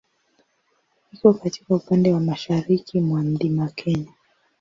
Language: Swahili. Iko katika upande wa mashariki mwa Mlima Kenya.